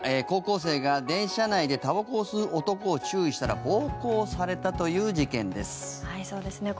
高校生が電車内でたばこを吸う男を注意したら暴行されたという事件です。